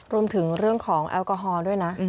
รวมถึงเรื่องของแอลกอฮอล์ด้วยนะ